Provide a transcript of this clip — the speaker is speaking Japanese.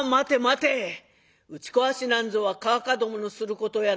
打ち壊しなんぞはかあかどものすることやない。